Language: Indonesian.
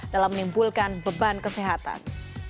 dalam menimbulkan beban kesehatan